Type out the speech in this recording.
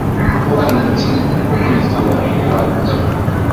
Ukovu ni njia ya upekee